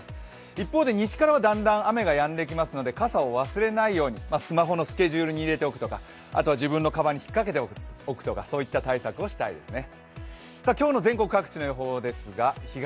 一方で西からはだんだん雨がやんできますので傘を忘れないようにスマホのスケジュールに入れておくとか自分のかばんに引っかけておくとかそういった対策をしたいですね。